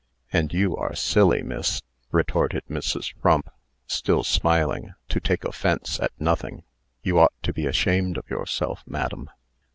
"And you are silly, miss," retorted Mrs. Frump, still smiling, "to take offence at nothing." "You ought to be ashamed of yourself, madam."